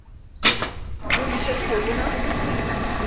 আমি বিশ্বাস করব না?